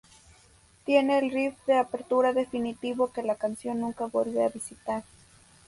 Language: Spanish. Tiene el riff de apertura definitivo que la canción nunca vuelve a visitar.